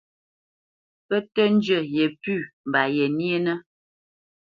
Pə́ tə́ njə yepʉ̂ mba yenyénə́.